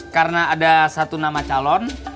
karena ada satu nama calon